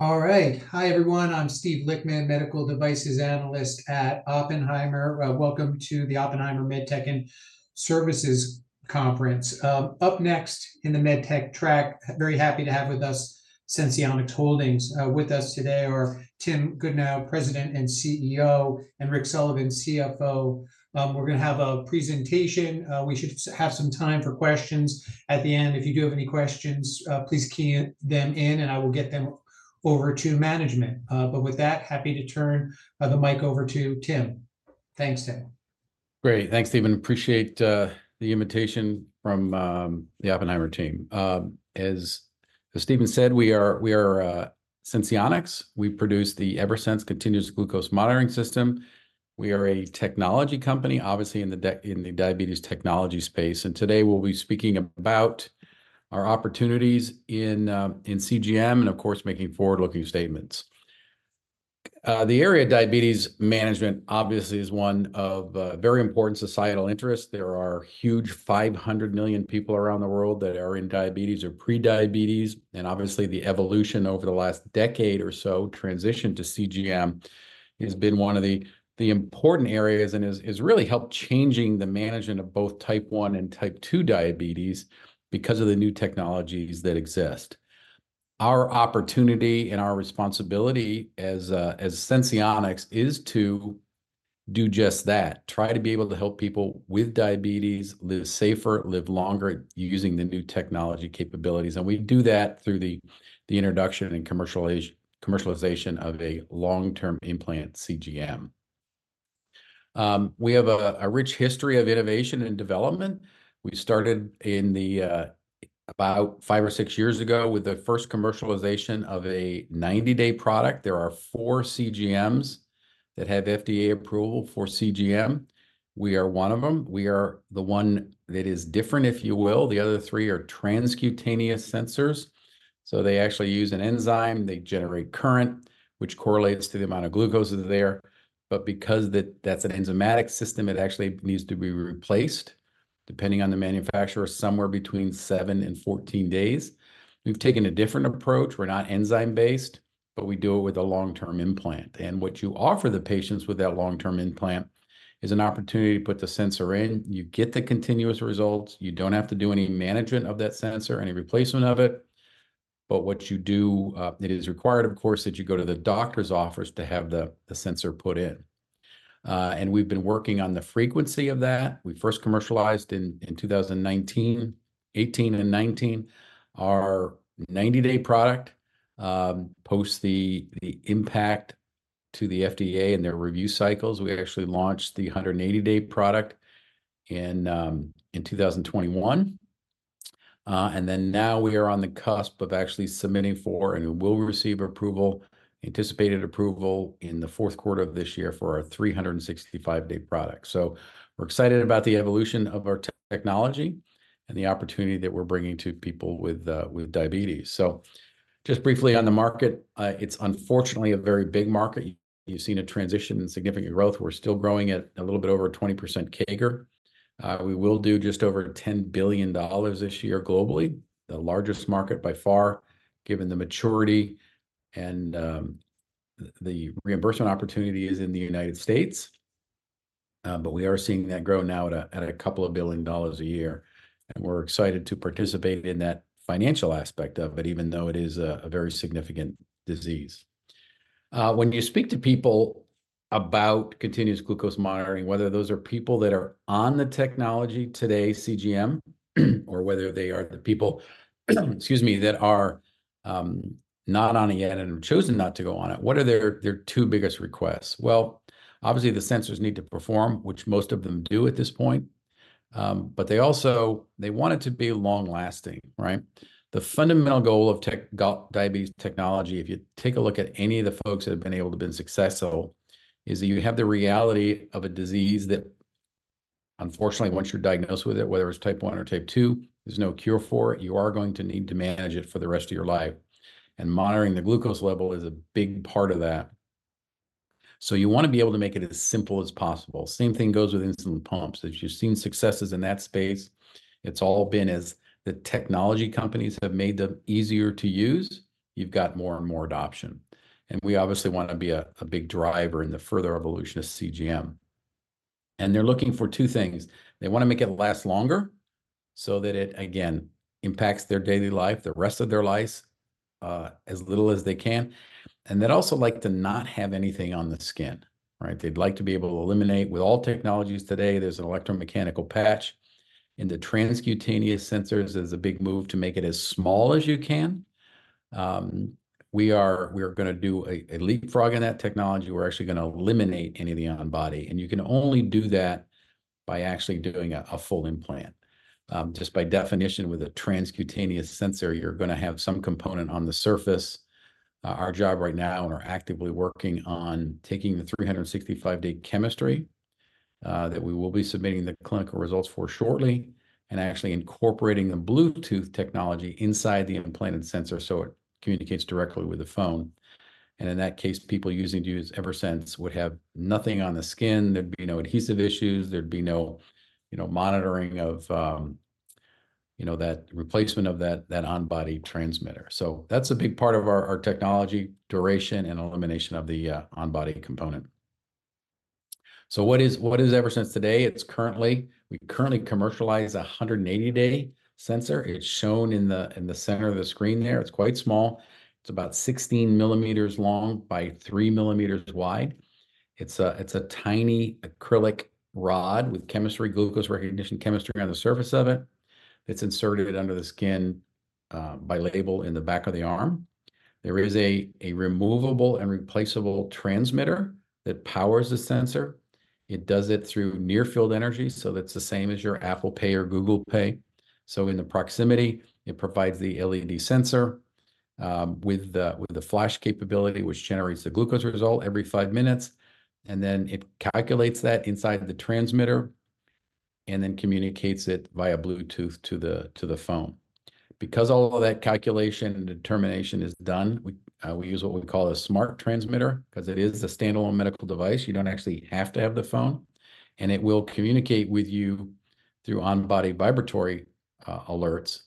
All right. Hi everyone. I'm Steve Lichtman, medical devices analyst at Oppenheimer. Welcome to the Oppenheimer MedTech and Services Conference. Up next in the MedTech track, very happy to have with us Senseonics Holdings. With us today are Tim Goodnow, President and CEO, and Rick Sullivan, CFO. We're going to have a presentation. We should have some time for questions at the end. If you do have any questions, please key them in and I will get them over to management. But with that, happy to turn the mic over to Tim. Thanks, Tim. Great. Thanks, Steven. Appreciate the invitation from the Oppenheimer team. As Steven said, we are Senseonics. We produce the Eversense continuous glucose monitoring system. We are a technology company, obviously in the diabetes technology space. Today we'll be speaking about our opportunities in CGM and, of course, making forward-looking statements. The area of diabetes management obviously is one of very important societal interests. There are 500 million people around the world that are in diabetes or pre-diabetes. Obviously the evolution over the last decade or so, transition to CGM has been one of the important areas and has really helped change the management of both type 1 and type 2 diabetes because of the new technologies that exist. Our opportunity and our responsibility as Senseonics is to do just that, try to be able to help people with diabetes live safer, live longer using the new technology capabilities. We do that through the introduction and commercialization of a long-term implant, CGM. We have a rich history of innovation and development. We started about 5 or 6 years ago with the first commercialization of a 90-day product. There are 4 CGMs that have FDA approval for CGM. We are one of them. We are the one that is different, if you will. The other 3 are transcutaneous sensors. So they actually use an enzyme. They generate current, which correlates to the amount of glucose that's there. But because that's an enzymatic system, it actually needs to be replaced, depending on the manufacturer, somewhere between 7-14 days. We've taken a different approach. We're not enzyme-based, but we do it with a long-term implant. What you offer the patients with that long-term implant is an opportunity to put the sensor in. You get the continuous results. You don't have to do any management of that sensor, any replacement of it. What you do, it is required, of course, that you go to the doctor's office to have the sensor put in. We've been working on the frequency of that. We first commercialized in 2018 and 2019 our 90-day product post the impact to the FDA and their review cycles. We actually launched the 180-day product in 2021. Now we are on the cusp of actually submitting for and we will receive approval, anticipated approval, in the fourth quarter of this year for our 365-day product. So we're excited about the evolution of our technology and the opportunity that we're bringing to people with diabetes. So just briefly on the market, it's unfortunately a very big market. You've seen a transition and significant growth. We're still growing at a little bit over 20% CAGR. We will do just over $10 billion this year globally, the largest market by far given the maturity and the reimbursement opportunities in the United States. But we are seeing that grow now at $2 billion a year. And we're excited to participate in that financial aspect of it, even though it is a very significant disease. When you speak to people about continuous glucose monitoring, whether those are people that are on the technology today, CGM, or whether they are the people, excuse me, that are not on it yet and have chosen not to go on it, what are their two biggest requests? Well, obviously the sensors need to perform, which most of them do at this point. But they also want it to be long-lasting, right? The fundamental goal of diabetes technology, if you take a look at any of the folks that have been able to be successful, is that you have the reality of a disease that, unfortunately, once you're diagnosed with it, whether it's type 1 or type 2, there's no cure for it. You are going to need to manage it for the rest of your life. And monitoring the glucose level is a big part of that. So you want to be able to make it as simple as possible. Same thing goes with insulin pumps. If you've seen successes in that space, it's all been as the technology companies have made them easier to use, you've got more and more adoption. And we obviously want to be a big driver in the further evolution of CGM. And they're looking for two things. They want to make it last longer so that it, again, impacts their daily life, the rest of their lives, as little as they can. And they'd also like to not have anything on the skin, right? They'd like to be able to eliminate, with all technologies today, there's an electromechanical patch. In the transcutaneous sensors, there's a big move to make it as small as you can. We are going to do a leapfrog in that technology. We're actually going to eliminate any of the on-body. You can only do that by actually doing a full implant. Just by definition, with a transcutaneous sensor, you're going to have some component on the surface. Our job right now, and we're actively working on taking the 365-day chemistry that we will be submitting the clinical results for shortly, and actually incorporating the Bluetooth technology inside the implanted sensor so it communicates directly with the phone. In that case, people using Eversense would have nothing on the skin. There'd be no adhesive issues. There'd be no monitoring of that replacement of that on-body transmitter. So that's a big part of our technology: duration and elimination of the on-body component. So what is Eversense today? We currently commercialize a 180-day sensor. It's shown in the center of the screen there. It's quite small. It's about 16 millimeters long by 3 millimeters wide. It's a tiny acrylic rod with chemistry, glucose recognition chemistry, on the surface of it. It's inserted under the skin by a clinician in the back of the arm. There is a removable and replaceable transmitter that powers the sensor. It does it through near-field energy. So that's the same as your Apple Pay or Google Pay. So in the proximity, it provides the LED sensor with the flash capability, which generates the glucose result every 5 minutes. And then it calculates that inside the transmitter and then communicates it via Bluetooth to the phone. Because all of that calculation and determination is done, we use what we call a smart transmitter because it is a standalone medical device. You don't actually have to have the phone. And it will communicate with you through on-body vibratory alerts.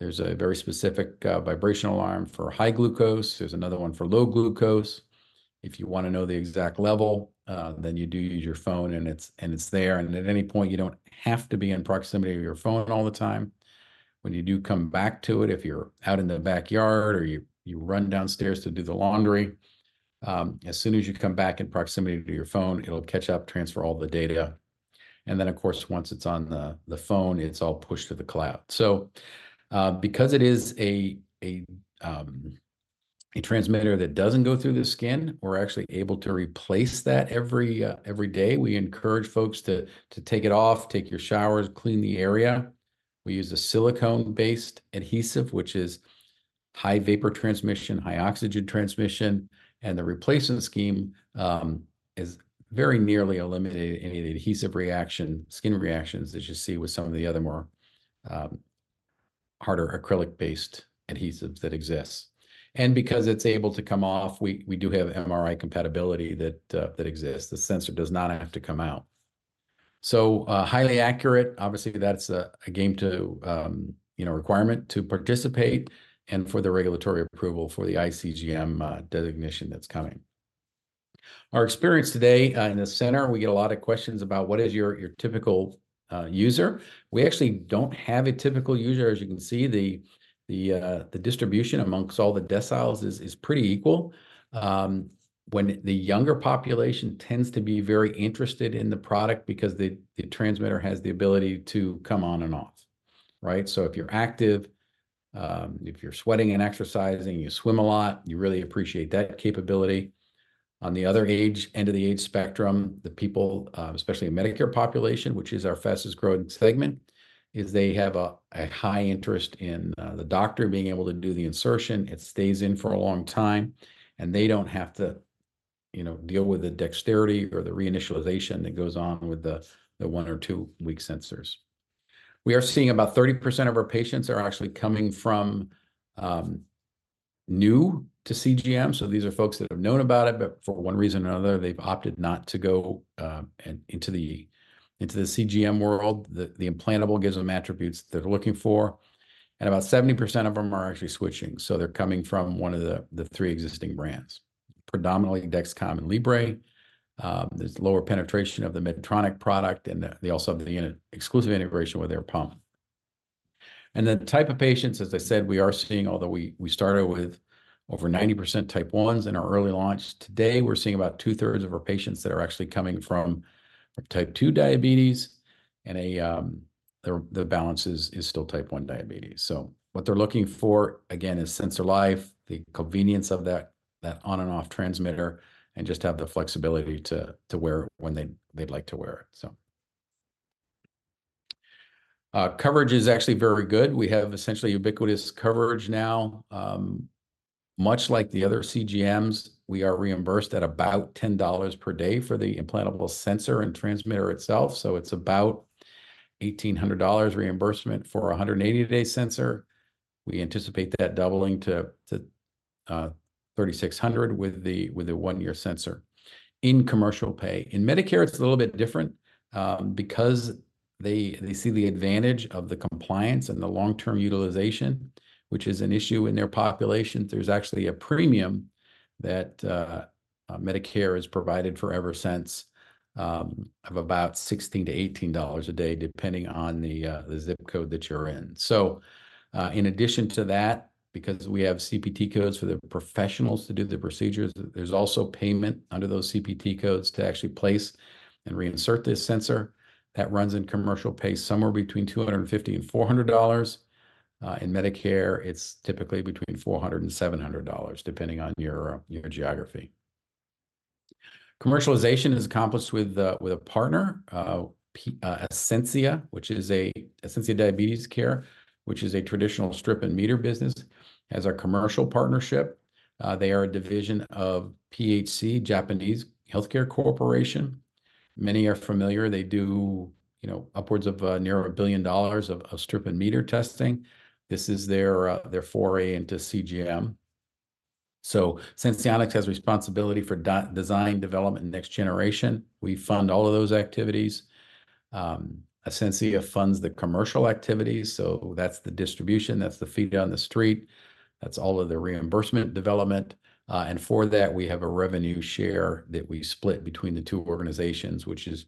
There's a very specific vibration alarm for high glucose. There's another one for low glucose. If you want to know the exact level, then you do use your phone and it's there. At any point, you don't have to be in proximity to your phone all the time. When you do come back to it, if you're out in the backyard or you run downstairs to do the laundry, as soon as you come back in proximity to your phone, it'll catch up, transfer all the data. And then, of course, once it's on the phone, it's all pushed to the cloud. So because it is a transmitter that doesn't go through the skin, we're actually able to replace that every day. We encourage folks to take it off, take your showers, clean the area. We use a silicone-based adhesive, which is high vapor transmission, high oxygen transmission. The replacement scheme is very nearly eliminating any of the adhesive reactions, skin reactions, that you see with some of the other more harder acrylic-based adhesives that exist. And because it's able to come off, we do have MRI compatibility that exists. The sensor does not have to come out. So highly accurate. Obviously, that's a game-changing requirement to participate and for the regulatory approval for the iCGM designation that's coming. Our experience today in the center, we get a lot of questions about what is your typical user. We actually don't have a typical user. As you can see, the distribution amongst all the deciles is pretty equal. The younger population tends to be very interested in the product because the transmitter has the ability to come on and off, right? So if you're active, if you're sweating and exercising, you swim a lot, you really appreciate that capability. On the other end of the age spectrum, the people, especially the Medicare population, which is our fastest-growing segment, is they have a high interest in the doctor being able to do the insertion. It stays in for a long time. And they don't have to deal with the dexterity or the reinitialization that goes on with the one or two-week sensors. We are seeing about 30% of our patients are actually coming from new to CGM. So these are folks that have known about it, but for one reason or another, they've opted not to go into the CGM world. The implantable gives them attributes they're looking for. And about 70% of them are actually switching. So they're coming from one of the three existing brands, predominantly Dexcom and Libre. There's lower penetration of the Medtronic product. And they also have the exclusive integration with their pump. The type of patients, as I said, we are seeing, although we started with over 90% Type 1s in our early launch today, we're seeing about two-thirds of our patients that are actually coming from Type 2 diabetes. The balance is still Type 1 diabetes. What they're looking for, again, is sensor life, the convenience of that on-and-off transmitter, and just have the flexibility to wear it when they'd like to wear it, so. Coverage is actually very good. We have essentially ubiquitous coverage now. Much like the other CGMs, we are reimbursed at about $10 per day for the implantable sensor and transmitter itself. So it's about $1,800 reimbursement for a 180-day sensor. We anticipate that doubling to $3,600 with the one-year sensor in commercial pay. In Medicare, it's a little bit different because they see the advantage of the compliance and the long-term utilization, which is an issue in their population. There's actually a premium that Medicare has provided for Eversense of about $16-$18 a day, depending on the zip code that you're in. So in addition to that, because we have CPT codes for the professionals to do the procedures, there's also payment under those CPT codes to actually place and reinsert this sensor. That runs in commercial pay somewhere between $250-$400. In Medicare, it's typically between $400-$700, depending on your geography. Commercialization is accomplished with a partner, Ascensia, which is Ascensia Diabetes Care, which is a traditional strip-and-meter business, as our commercial partnership. They are a division of PHC, Japanese healthcare corporation. Many are familiar. They do upwards of nearly $1 billion of strip-and-meter testing. This is their foray into CGM. So Senseonics has responsibility for design, development, and next generation. We fund all of those activities. Ascensia funds the commercial activities. So that's the distribution. That's the feet on the street. That's all of the reimbursement development. And for that, we have a revenue share that we split between the two organizations, which is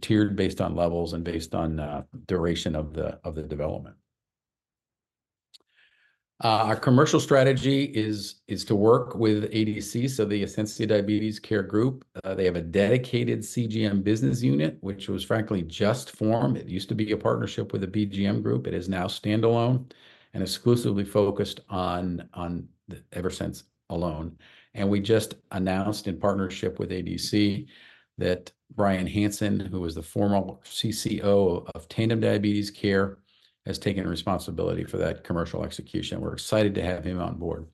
tiered based on levels and based on duration of the development. Our commercial strategy is to work with ADC, so the Ascensia Diabetes Care Group. They have a dedicated CGM business unit, which was frankly just formed. It used to be a partnership with a BGM group. It is now standalone and exclusively focused on Eversense alone. And we just announced in partnership with ADC that Brian Hansen, who was the former CCO of Tandem Diabetes Care, has taken responsibility for that commercial execution. We're excited to have him on board.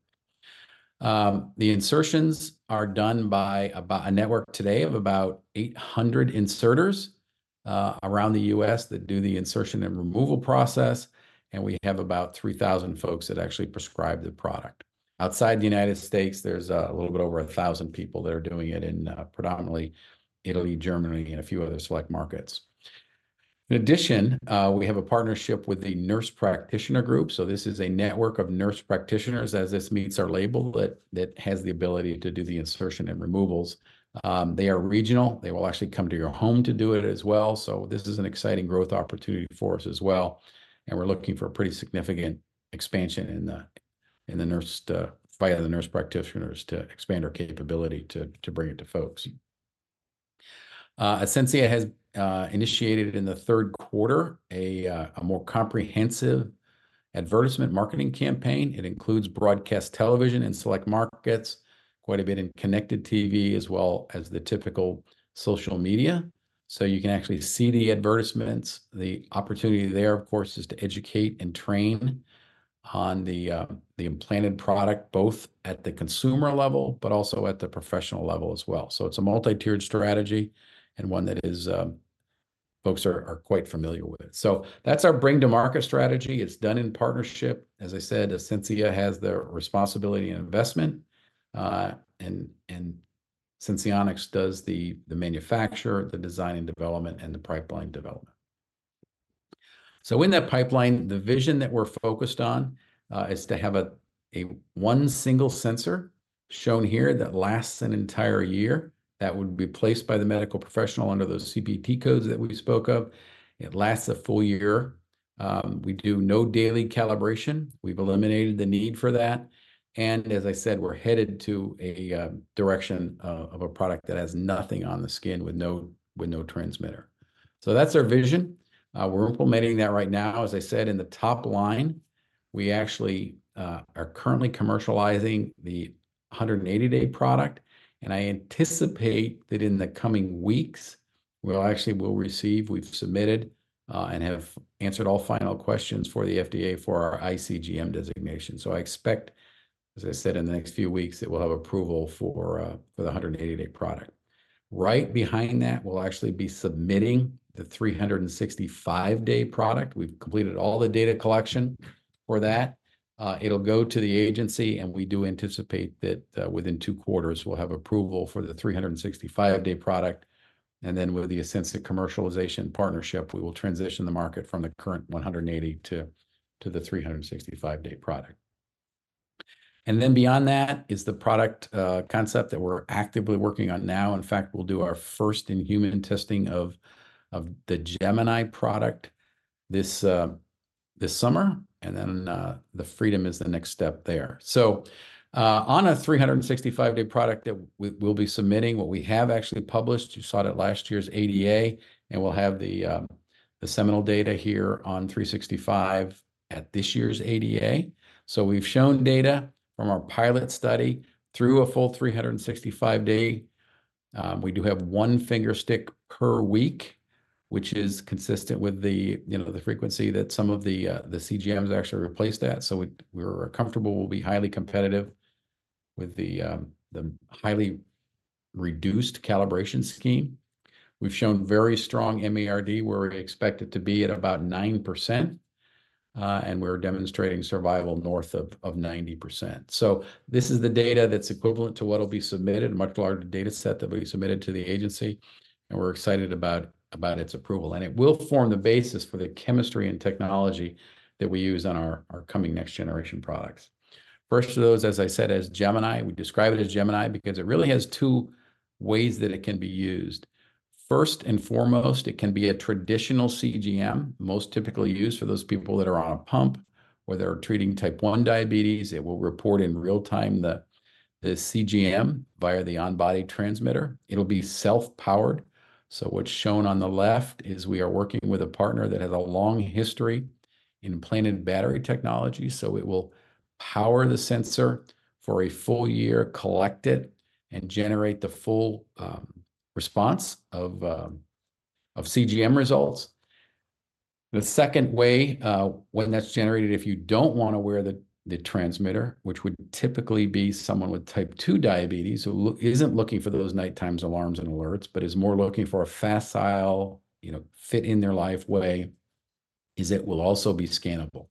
The insertions are done by a network today of about 800 inserters around the U.S. that do the insertion and removal process. We have about 3,000 folks that actually prescribe the product. Outside the United States, there's a little bit over 1,000 people that are doing it in predominantly Italy, Germany, and a few other select markets. In addition, we have a partnership with the Nurse Practitioner Group. This is a network of nurse practitioners, as this meets our label, that has the ability to do the insertion and removals. They are regional. They will actually come to your home to do it as well. This is an exciting growth opportunity for us as well. We're looking for a pretty significant expansion in the via the nurse practitioners to expand our capability to bring it to folks. Ascensia has initiated in the third quarter a more comprehensive advertisement marketing campaign. It includes broadcast television in select markets, quite a bit in connected TV, as well as the typical social media. So you can actually see the advertisements. The opportunity there, of course, is to educate and train on the implanted product, both at the consumer level, but also at the professional level as well. So it's a multi-tiered strategy and one that folks are quite familiar with. So that's our bring-to-market strategy. It's done in partnership. As I said, Ascensia has the responsibility and investment. And Senseonics does the manufacture, the design and development, and the pipeline development. So in that pipeline, the vision that we're focused on is to have one single sensor shown here that lasts an entire year. That would be placed by the medical professional under those CPT codes that we spoke of. It lasts a full year. We do no daily calibration. We've eliminated the need for that. As I said, we're headed to a direction of a product that has nothing on the skin with no transmitter. So that's our vision. We're implementing that right now. As I said, in the top line, we actually are currently commercializing the 180-day product. And I anticipate that in the coming weeks, we'll actually receive. We've submitted and have answered all final questions for the FDA for our iCGM designation. So I expect, as I said, in the next few weeks, it will have approval for the 180-day product. Right behind that, we'll actually be submitting the 365-day product. We've completed all the data collection for that. It'll go to the agency. And we do anticipate that within two quarters, we'll have approval for the 365-day product. With the Ascensia commercialization partnership, we will transition the market from the current 180- to 365-day product. Beyond that is the product concept that we're actively working on now. In fact, we'll do our first in-human testing of the Gemini product this summer. The Freedom is the next step there. On a 365-day product that we'll be submitting, what we have actually published, you saw it last year's ADA. We'll have the seminal data here on 365 at this year's ADA. We've shown data from our pilot study through a full 365-day. We do have 1 fingerstick per week, which is consistent with the frequency that some of the CGMs actually replaced that. We're comfortable. We'll be highly competitive with the highly reduced calibration scheme. We've shown very strong MARD, where we expect it to be at about 9%. We're demonstrating survival north of 90%. This is the data that's equivalent to what'll be submitted, a much larger data set that will be submitted to the agency. We're excited about its approval. It will form the basis for the chemistry and technology that we use on our coming next-generation products. First of those, as I said, as Gemini, we describe it as Gemini because it really has two ways that it can be used. First and foremost, it can be a traditional CGM, most typically used for those people that are on a pump where they're treating Type 1 Diabetes. It will report in real time the CGM via the on-body transmitter. It'll be self-powered. What's shown on the left is we are working with a partner that has a long history in implanted battery technology. So it will power the sensor for a full year, collect it, and generate the full response of CGM results. The second way, when that's generated, if you don't want to wear the transmitter, which would typically be someone with type 2 diabetes who isn't looking for those nighttime alarms and alerts, but is more looking for a facile, fit-in-their-life way, is it will also be scannable.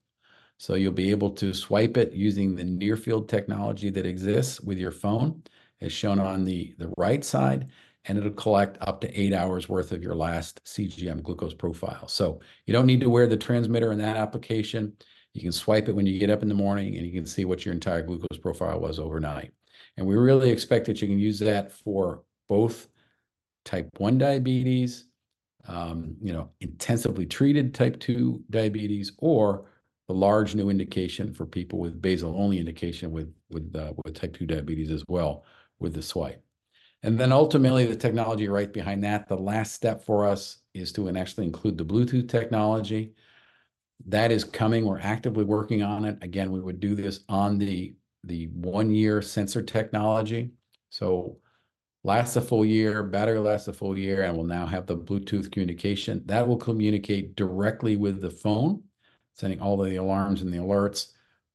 So you'll be able to swipe it using the near-field technology that exists with your phone, as shown on the right side. And it'll collect up to 8 hours' worth of your last CGM glucose profile. So you don't need to wear the transmitter in that application. You can swipe it when you get up in the morning. And you can see what your entire glucose profile was overnight. We really expect that you can use that for both type 1 diabetes, intensively treated type 2 diabetes, or the large new indication for people with basal-only indication with type 2 diabetes as well with the swipe. Then ultimately, the technology right behind that, the last step for us is to actually include the Bluetooth technology. That is coming. We're actively working on it. Again, we would do this on the 1-year sensor technology. So lasts a full year, battery lasts a full year, and will now have the Bluetooth communication. That will communicate directly with the phone, sending all the alarms and the alerts.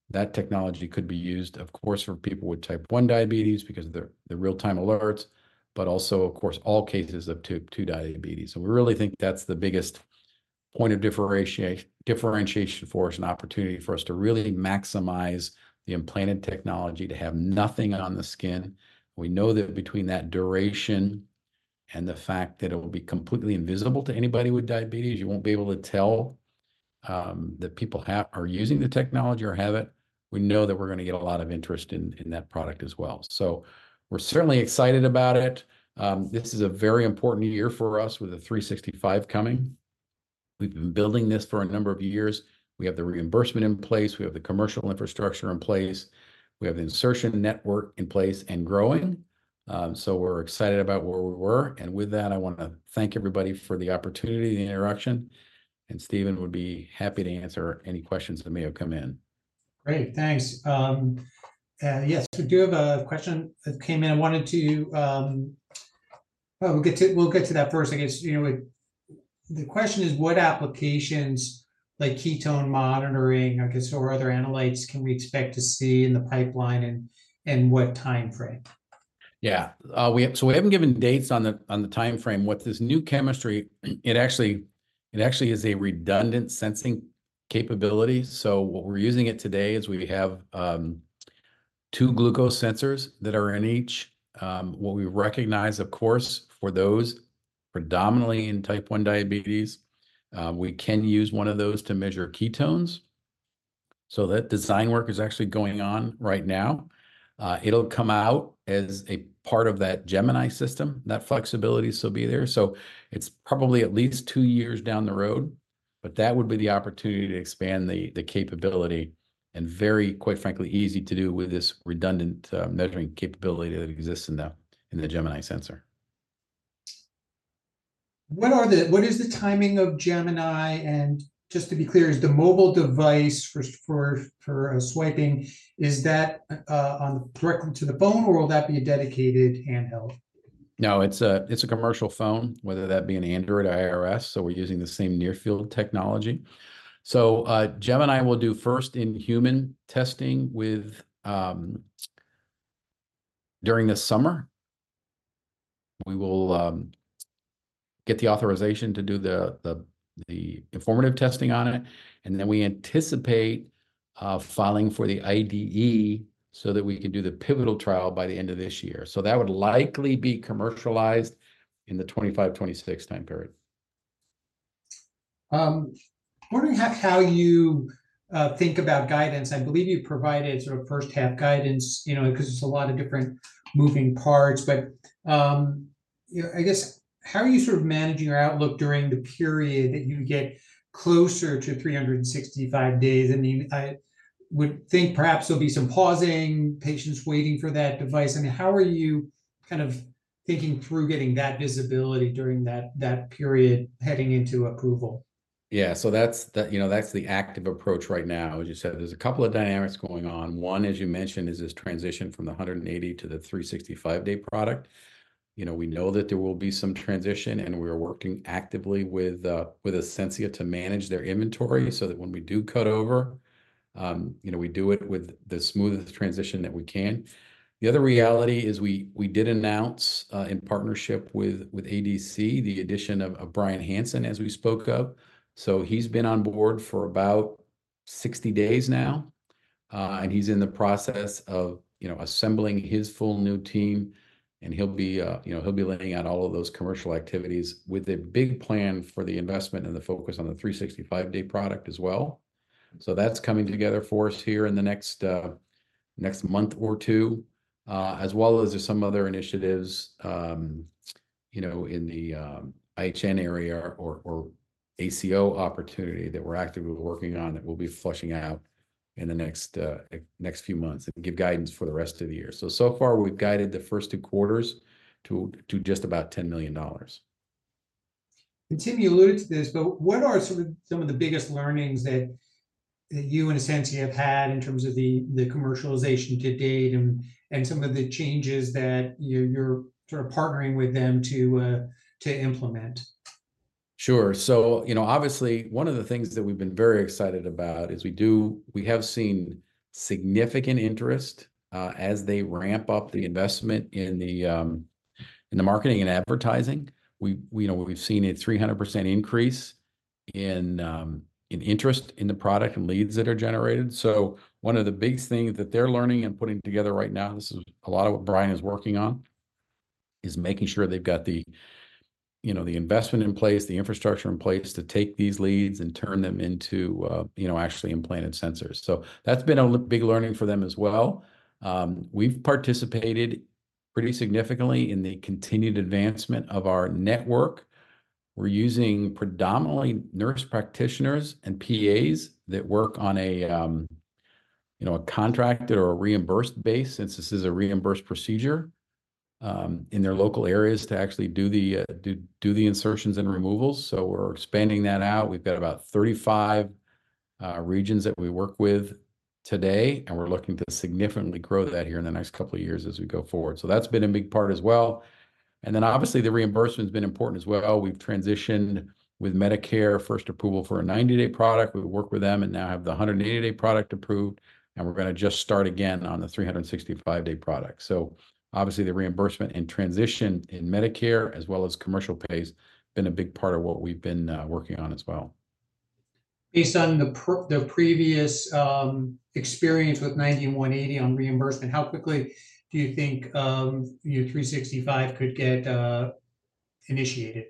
That technology could be used, of course, for people with type 1 diabetes because of the real-time alerts, but also, of course, all cases of type 2 diabetes. So we really think that's the biggest point of differentiation for us and opportunity for us to really maximize the implanted technology, to have nothing on the skin. We know that between that duration and the fact that it'll be completely invisible to anybody with diabetes, you won't be able to tell that people are using the technology or have it. We know that we're going to get a lot of interest in that product as well. So we're certainly excited about it. This is a very important year for us with the 365 coming. We've been building this for a number of years. We have the reimbursement in place. We have the commercial infrastructure in place. We have the insertion network in place and growing. So we're excited about where we were. And with that, I want to thank everybody for the opportunity, the interruption. Steven would be happy to answer any questions that may have come in. Great. Thanks. Yes. We do have a question that came in. We'll get to that first, I guess. The question is, what applications like ketone monitoring, I guess, or other analytes can we expect to see in the pipeline and what time frame? Yeah. So we haven't given dates on the time frame. What this new chemistry, it actually is a redundant sensing capability. So what we're using it today is we have two glucose sensors that are in each. What we recognize, of course, for those, predominantly in Type 1 Diabetes, we can use one of those to measure ketones. So that design work is actually going on right now. It'll come out as a part of that Gemini system. That flexibility still be there. So it's probably at least two years down the road. But that would be the opportunity to expand the capability and very, quite frankly, easy to do with this redundant measuring capability that exists in the Gemini sensor. What is the timing of Gemini? And just to be clear, is the mobile device for swiping, is that directly to the phone, or will that be a dedicated handheld? No. It's a commercial phone, whether that be an Android or iOS. So we're using the same near-field technology. So Gemini will do first-in-human testing during the summer. We will get the authorization to do the informative testing on it. And then we anticipate filing for the IDE so that we can do the pivotal trial by the end of this year. So that would likely be commercialized in the 2025-2026 time period. Wondering how you think about guidance. I believe you provided sort of first-half guidance because there's a lot of different moving parts. But I guess, how are you sort of managing your outlook during the period that you get closer to 365 days? I would think perhaps there'll be some pausing, patients waiting for that device. I mean, how are you kind of thinking through getting that visibility during that period heading into approval? Yeah. So that's the active approach right now. As you said, there's a couple of dynamics going on. One, as you mentioned, is this transition from the 180 to the 365-day product. We know that there will be some transition. And we're working actively with Ascensia to manage their inventory so that when we do cut over, we do it with the smoothest transition that we can. The other reality is we did announce in partnership with ADC the addition of Brian Hansen, as we spoke of. So he's been on board for about 60 days now. And he'll be laying out all of those commercial activities with a big plan for the investment and the focus on the 365-day product as well. That's coming together for us here in the next month or two, as well as there's some other initiatives in the IDN area or ACO opportunity that we're actively working on that we'll be flushing out in the next few months and give guidance for the rest of the year. So far, we've guided the first two quarters to just about $10 million. Tim, you alluded to this. What are sort of some of the biggest learnings that you and Ascensia have had in terms of the commercialization to date and some of the changes that you're sort of partnering with them to implement? Sure. So obviously, one of the things that we've been very excited about is we have seen significant interest as they ramp up the investment in the marketing and advertising. We've seen a 300% increase in interest in the product and leads that are generated. So one of the big things that they're learning and putting together right now, this is a lot of what Brian is working on, is making sure they've got the investment in place, the infrastructure in place to take these leads and turn them into actually implanted sensors. So that's been a big learning for them as well. We've participated pretty significantly in the continued advancement of our network. We're using predominantly nurse practitioners and PAs that work on a contracted or a reimbursed base, since this is a reimbursed procedure, in their local areas to actually do the insertions and removals. So we're expanding that out. We've got about 35 regions that we work with today. And we're looking to significantly grow that here in the next couple of years as we go forward. So that's been a big part as well. And then obviously, the reimbursement has been important as well. We've transitioned with Medicare, first approval for a 90-day product. We work with them and now have the 180-day product approved. And we're going to just start again on the 365-day product. So obviously, the reimbursement and transition in Medicare, as well as commercial payers, has been a big part of what we've been working on as well. Based on the previous experience with 90 and 180 on reimbursement, how quickly do you think 365 could get initiated?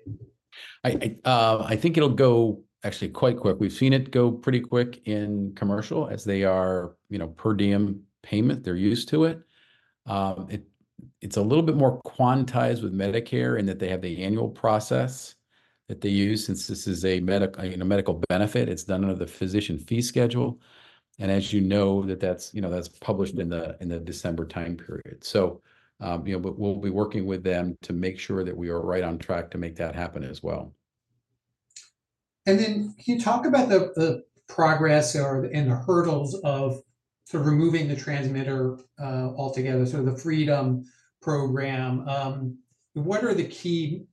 I think it'll go actually quite quick. We've seen it go pretty quick in commercial as they are per diem payment. They're used to it. It's a little bit more quantized with Medicare in that they have the annual process that they use. Since this is a medical benefit, it's done under the physician fee schedule. And as you know, that's published in the December time period. So we'll be working with them to make sure that we are right on track to make that happen as well. And then can you talk about the progress and the hurdles of sort of removing the transmitter altogether, sort of the Freedom program? What are the key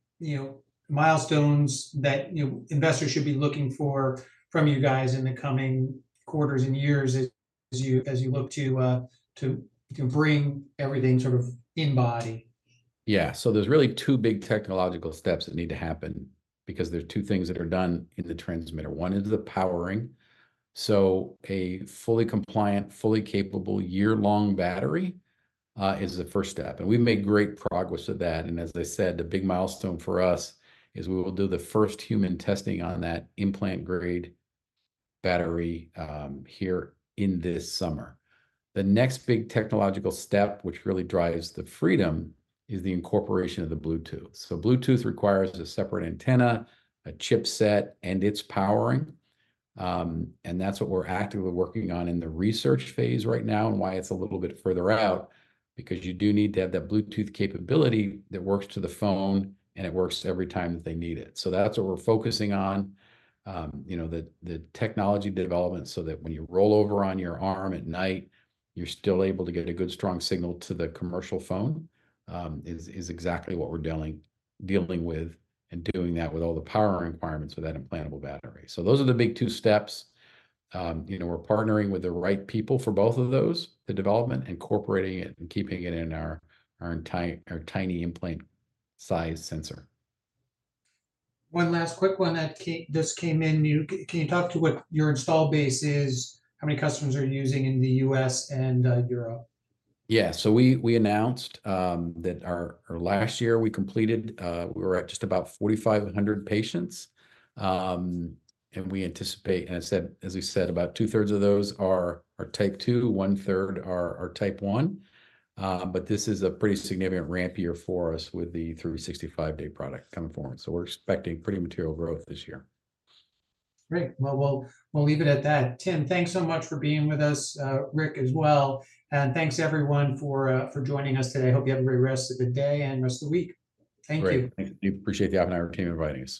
milestones that investors should be looking for from you guys in the coming quarters and years as you look to bring everything sort of in body? Yeah. So there's really two big technological steps that need to happen because there's two things that are done in the transmitter. One is the powering. So a fully compliant, fully capable, year-long battery is the first step. And we've made great progress with that. And as I said, the big milestone for us is we will do the first human testing on that implant-grade battery here in this summer. The next big technological step, which really drives the Freedom, is the incorporation of the Bluetooth. So Bluetooth requires a separate antenna, a chipset, and its powering. And that's what we're actively working on in the research phase right now and why it's a little bit further out because you do need to have that Bluetooth capability that works to the phone, and it works every time that they need it. So that's what we're focusing on, the technology development so that when you roll over on your arm at night, you're still able to get a good, strong signal to the smartphone. That's exactly what we're dealing with and doing that with all the power requirements with that implantable battery. So those are the big two steps. We're partnering with the right people for both of those, the development, incorporating it, and keeping it in our tiny implant-sized sensor. One last quick one. This came in. Can you talk to what your install base is, how many customers are using in the U.S. and Europe? Yeah. So we announced that last year, we completed, we were at just about 4,500 patients. We anticipate, as we said, about two-thirds of those are Type 2, one-third are Type 1. But this is a pretty significant ramp year for us with the 365-day product coming forward. So we're expecting pretty material growth this year. Great. Well, we'll leave it at that. Tim, thanks so much for being with us, Rick, as well. Thanks, everyone, for joining us today. I hope you have a great rest of the day and rest of the week. Thank you. Great. Thanks, Steve. Appreciate the opportunity for having me on the team.